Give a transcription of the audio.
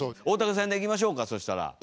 大竹さんでいきましょうかそしたら。